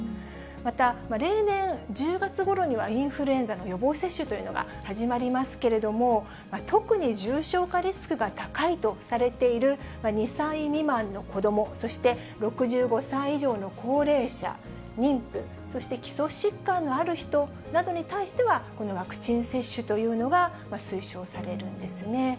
また、例年、１０月ごろにはインフルエンザの予防接種というのが始まりますけれども、特に重症化リスクが高いとされている２歳未満の子ども、そして６５歳以上の高齢者、妊婦、そして基礎疾患のある人などに対しては、このワクチン接種というのが推奨されるんですね。